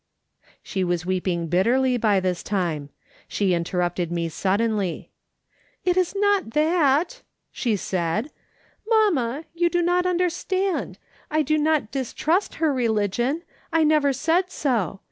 " She was weeping bitterly by tliis time. She inter rupted me suddenly :" It is not that," she said ;" mamma, you do not understand. I do not distrust her religion ; I never said so.